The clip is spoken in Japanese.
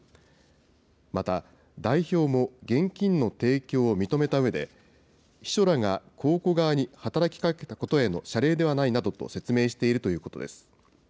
また、代表も現金の提供を認めたうえで、秘書らが公庫側に働きかけたことへの謝礼ではないなどと説明しているということです。